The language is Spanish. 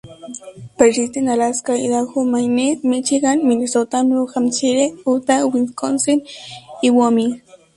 Persiste en Alaska, Idaho, Maine, Míchigan, Minnesota, Nuevo Hampshire, Utah, Wisconsin, y Wyoming.